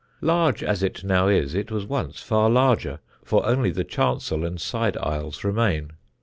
Large as it now is, it was once far larger, for only the chancel and side aisles remain.